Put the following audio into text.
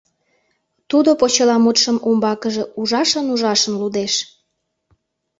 Тудо почеламутшым умбакыже ужашын-ужашын лудеш.